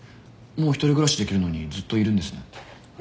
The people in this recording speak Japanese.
もう１人暮らしできるのにずっといるんですね？